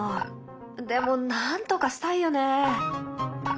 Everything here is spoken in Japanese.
でもなんとかしたいよね。